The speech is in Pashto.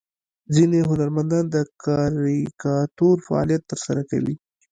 ځینې هنرمندان د کاریکاتور فعالیت ترسره کوي.